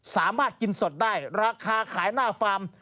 สามารถกินสดได้ราคาขายหน้าฟาร์ม